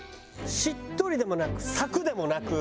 しっとりでもなくサクッでもなく。